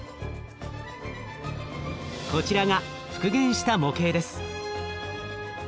こちらが復元した模型です。